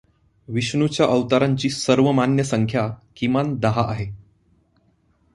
विष्णूच्या अवतारांची सर्वमान्य संख्या किमान दहा आहे.